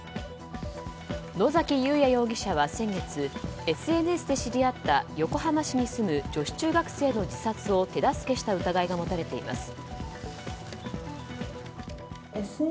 野崎祐也容疑者は先月ＳＮＳで知り合った横浜市に住む女子中学生の自殺を手助けした疑いが持たれています。